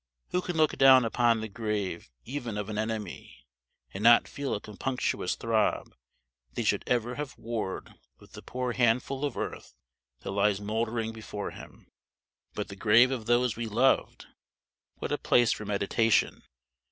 Who can look down upon the grave even of an enemy, and not feel a compunctious throb that he should ever have warred with the poor handful of earth that lies mouldering before him? But the grave of those we loved what a place for meditation!